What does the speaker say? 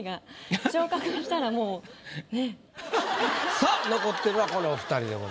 さあ残ってるのはこのお２人でございます。